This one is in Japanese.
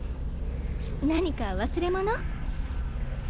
何か忘れ物？